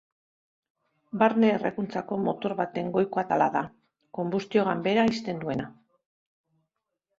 Barne-errekuntzako motor baten goiko atala da, konbustio ganbera ixten duena.